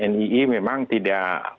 nii memang tidak